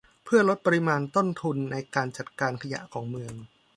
เพื่อลดปริมาณต้นทุนในการจัดการขยะของเมือง